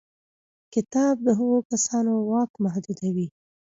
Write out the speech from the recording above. کتاب د هغو کسانو واک محدودوي.